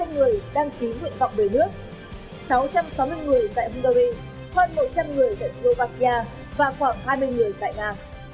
sáu trăm sáu mươi người tại hungary hơn một trăm linh người tại slovakia và khoảng hai mươi người tại nga